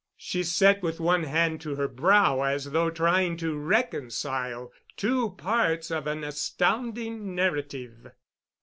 She sat with one hand to her brow as though trying to reconcile two parts of an astounding narrative.